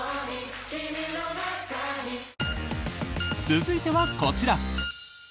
続いてはこちら。